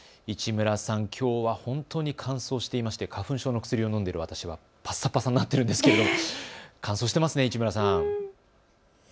市村さん、きょうは本当に乾燥していまして花粉症の薬を飲んでいる私はぱさぱさになっているんですけど乾燥してますね、市村さん。